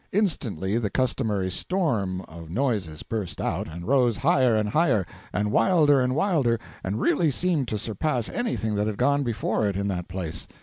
Instantly the customary storm of noises burst out, and rose higher and higher, and wilder and wilder, and really seemed to surpass anything that had gone before it in that place.